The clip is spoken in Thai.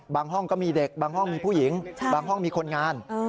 ห้องก็มีเด็กบางห้องมีผู้หญิงบางห้องมีคนงาน